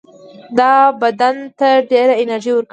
دا بدن ته ډېره انرژي ورکوي.